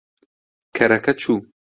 کەرەکە چوو.